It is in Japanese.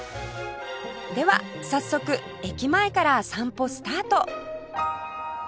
では早速駅前から散歩スタート